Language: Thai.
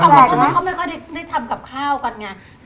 บอกว่าเขาไม่ค่อยได้ทำกับข้าวกันไง